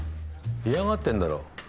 嫌がってんだろ。